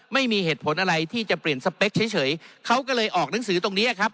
ไม่มีเหตุผลอะไรที่จะเปลี่ยนสเปคเฉยเขาก็เลยออกหนังสือตรงนี้ครับ